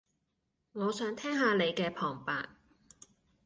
我想聽下你嘅旁白